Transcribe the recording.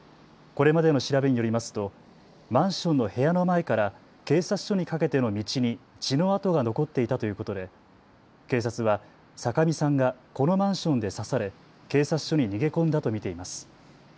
これまでの調べによりますとマンションの部屋の前から警察署にかけての道に血の跡が残っていたということで警察は酒見さんがこのマンションで刺され警察署に逃げ込んだと見ています。